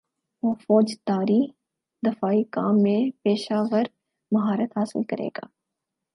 وہ فوجداری دفاعی کام میں پیشہور مہارت حاصل کرے گا